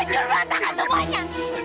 hancur batangnya semuanya